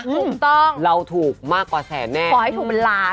ถูกต้องเราถูกมากกว่าแสนแน่ขอให้ถูกเป็นล้าน